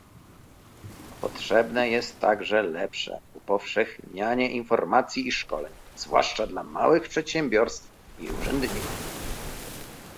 Potrzebne jest także lepsze upowszechnianie informacji i szkoleń, zwłaszcza dla małych przedsiębiorstw i urzędników